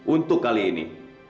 untuk kali ini